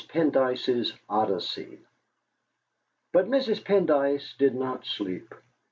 PENDYCE'S ODYSSEY But Mrs. Pendyce did not sleep.